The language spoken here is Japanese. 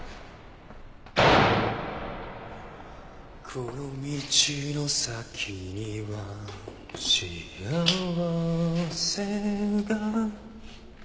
「この道の先には幸せが」